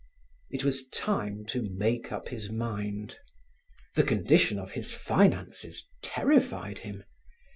It was time to make up his mind. The condition of his finances terrified him.